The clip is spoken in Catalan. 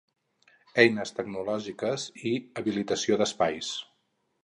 Eines tecnològiques i habilitació d'espais.